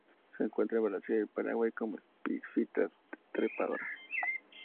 Se encuentra en Brasil y Paraguay como epífita trepadora.